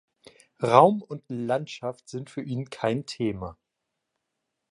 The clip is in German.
Raum und Landschaft sind für ihn kein Thema.